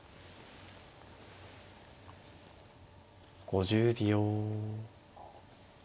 ５０秒。